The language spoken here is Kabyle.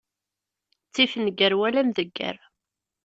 Ttif nnger wala amdegger.